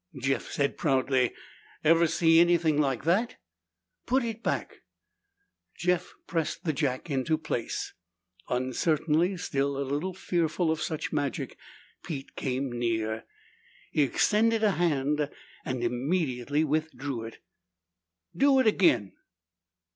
Jeff said proudly, "Ever see anything like that?" "Put it back!" Jeff pressed the jack into place. Uncertainly, still a little fearful of such magic, Pete came near. He extended a hand and immediately withdrew it. "Do it ag'in!"